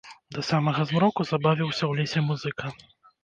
Да самага змроку забавіўся ў лесе музыка.